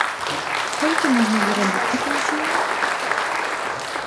Колькі можна зарабіць такім чынам?